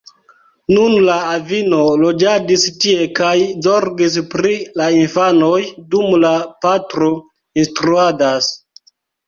Nun la avino loĝadis tie kaj zorgis pri la infanoj, dum la patro instruadas.